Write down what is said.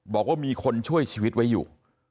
บอกว่ามีคนช่วยชีวิตไว้อยู่